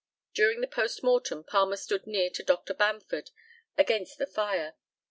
During the post mortem, Palmer stood near to Dr. Bamford, against the fire.